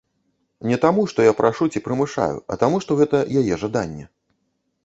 Не таму, што я прашу ці прымушаю, а таму, што гэта яе жаданне.